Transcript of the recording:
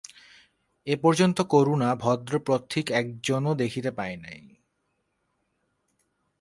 এ পর্যন্ত করুণা ভদ্র পথিক একজনও দেখিতে পায় নাই।